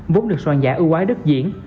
vốn được soàn giả ưu ái đất diễn